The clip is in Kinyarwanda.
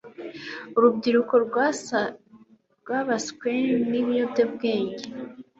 urubyiruko rwabaswe n'ibiyobyabwenge